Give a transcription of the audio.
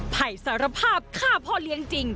ไผ่สารภาพฆ่าพ่อเลี้ยงจริง